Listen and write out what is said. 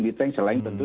ditren selain tentu